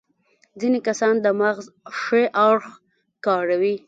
ځينې کسان د مغز ښي اړخ کاروي.